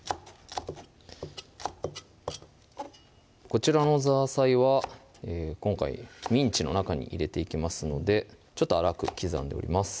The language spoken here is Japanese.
こちらのザーサイは今回ミンチの中に入れていきますのでちょっと粗く刻んでおります